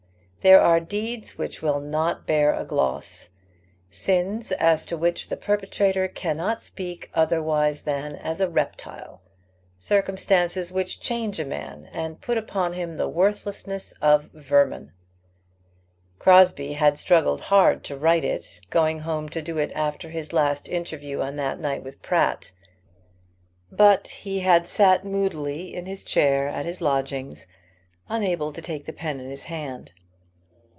There are deeds which will not bear a gloss sins as to which the perpetrator cannot speak otherwise than as a reptile; circumstances which change a man and put upon him the worthlessness of vermin. Crosbie had struggled hard to write it, going home to do it after his last interview on that night with Pratt. But he had sat moodily in his chair at his lodgings, unable to take the pen in his hand.